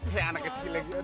kayak anak kecil lagi